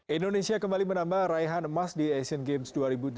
indonesia kembali menambah raihan emas di asian games dua ribu delapan belas